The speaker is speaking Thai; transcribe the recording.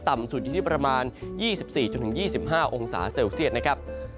ต่ำสุดอยู่ที่ประมาณ๒๔๒๕องศาเซลเซียตนะครับ